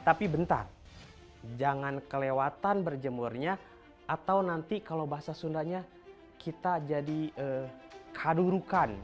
tapi bentar jangan kelewatan berjemurnya atau nanti kalau bahasa sundanya kita jadi kadurukan